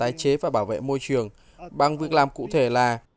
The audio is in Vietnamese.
và cũng phải cam kết về tái chế và bảo vệ môi trường bằng việc làm cụ thể là